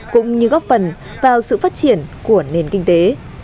cũng như góp phần vào sự phát triển của nền kinh tế